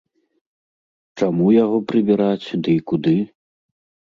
Чаму яго прыбіраць, дый куды?